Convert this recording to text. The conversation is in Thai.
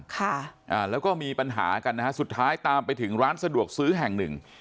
ค่ะอ่าแล้วก็มีปัญหากันนะฮะสุดท้ายตามไปถึงร้านสะดวกซื้อแห่งหนึ่ง